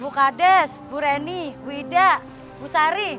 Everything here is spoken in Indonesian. bu kades bu reni bu ida bu sari